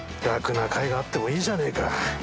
楽な回があってもいいじゃねえか。